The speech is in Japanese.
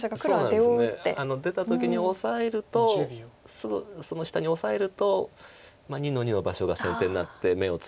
出た時にオサえるとその下にオサえると２の二の場所が先手になって眼を作る。